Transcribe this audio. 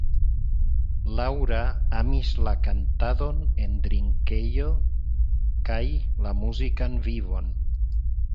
Laura amis la kantadon en drinkejo kaj la muzikan vivon.